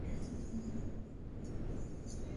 Obtuvo el segundo lugar en Gran Bretaña.